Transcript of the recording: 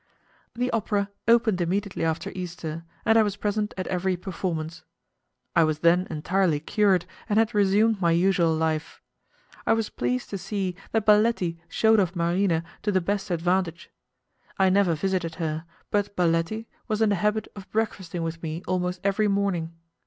The opera opened immediately after Easter, and I was present at every performance. I was then entirely cured, and had resumed my usual life. I was pleased to see that Baletti shewed off Marina to the best advantage. I never visited her, but Baletti was in the habit of breakfasting with me almost every morning.